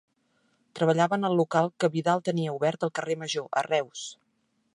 Treballaven al local que Vidal tenia obert al carrer Major, a Reus.